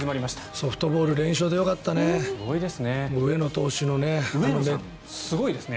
ソフトボール連勝でよかったね。